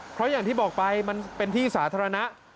เพราะอย่างที่บอกไปมันเป็นที่สาธารณะ